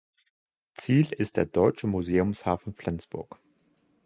Ziel ist der deutsche Museumshafen Flensburg.